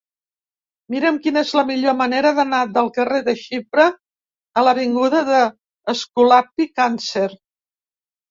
Mira'm quina és la millor manera d'anar del carrer de Xipre a l'avinguda d'Escolapi Càncer.